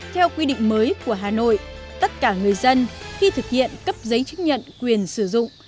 theo quy định mới của hà nội tất cả người dân khi thực hiện cấp giấy chứng nhận quyền sử dụng